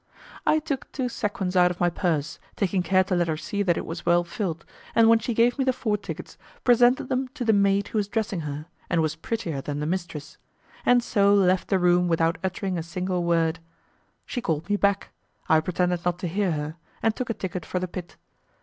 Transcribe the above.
I took two sequins out of my purse, taking care to let her see that it was well filled, and when she gave me the four tickets, presented them to the maid who was dressing her and was prettier than the mistress, and so left the room without uttering a single word. She called me back; I pretended not to hear her, and took a ticket for the pit.